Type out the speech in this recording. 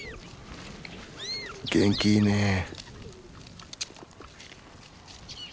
元気いいねえ。